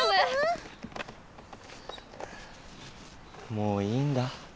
もういいんだ。